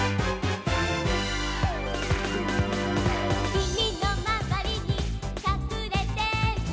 「君のまわりにかくれてる」